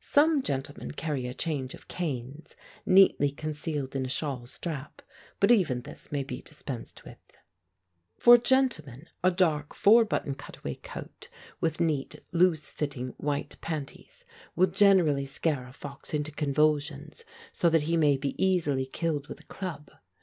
Some gentlemen carry a change of canes, neatly concealed in a shawl strap, but even this may be dispensed with. For gentlemen, a dark, four button cutaway coat, with neat, loose fitting, white panties, will generally scare a fox into convulsions, so that he may be easily killed with a club.